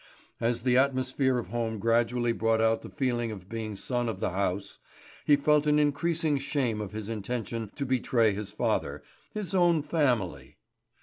As the atmosphere of home gradually brought out the feeling of being son of the house, he felt an increasing shame of his intention to betray his father, his own family.